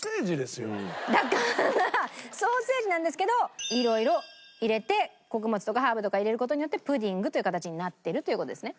だからソーセージなんですけど色々入れて穀物とかハーブとか入れる事によってプディングという形になってるという事ですね。